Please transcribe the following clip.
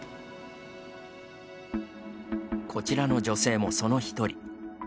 こちらの女性もその一人。